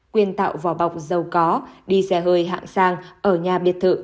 quyên tạo vỏ bọc giàu có đi xe hơi hạng sang ở nhà biệt thự